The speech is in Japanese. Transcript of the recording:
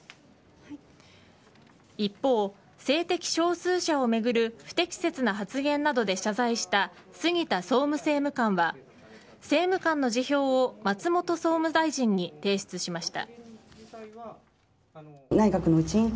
一方、性的少数者をめぐる不適切な発言などで謝罪した杉田総務政務官は政務官の辞表を松本総務大臣に提出しました。